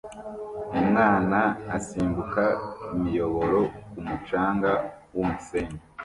Umwana asimbuka imiyoboro ku mucanga wumusenyi